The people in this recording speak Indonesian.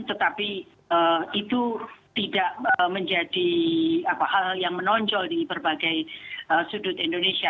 tetapi itu tidak menjadi hal yang menonjol di berbagai sudut indonesia